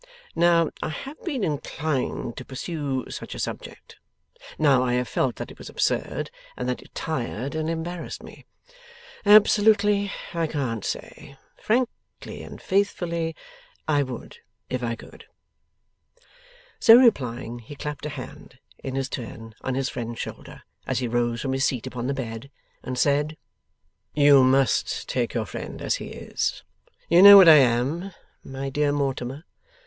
Now, I have been inclined to pursue such a subject; now I have felt that it was absurd, and that it tired and embarrassed me. Absolutely, I can't say. Frankly and faithfully, I would if I could.' So replying, he clapped a hand, in his turn, on his friend's shoulder, as he rose from his seat upon the bed, and said: 'You must take your friend as he is. You know what I am, my dear Mortimer.